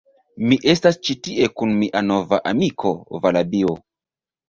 Mi estas ĉi tie kun mia nova amiko, Valabio.